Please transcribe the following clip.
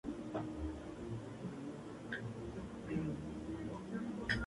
De muy joven adhirió a la lucha política.